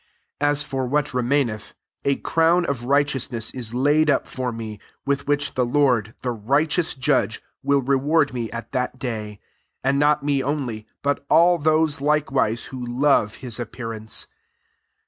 8 M for what remaineth, a crown of righte ousness is laid up for me, with which the Lord, the righteous Judge, will reward me at"*that day : and not me only, but [all] those likewise who love his ap pearance.